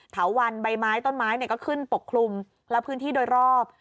เถาวันใบไม้ต้นไม้ก็ขึ้นปกคลุมและพื้นที่โดยรอบ